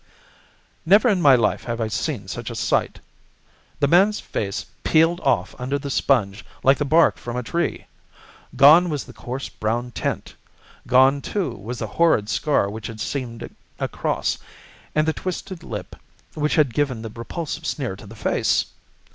Never in my life have I seen such a sight. The man's face peeled off under the sponge like the bark from a tree. Gone was the coarse brown tint! Gone, too, was the horrid scar which had seamed it across, and the twisted lip which had given the repulsive sneer to the face!